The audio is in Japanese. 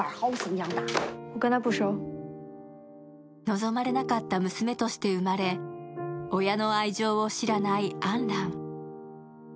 望まれなかった娘として生まれ親の愛情を知らないアン・ラン。